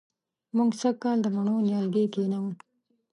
موږ سږ کال د مڼو نیالګي کېنوو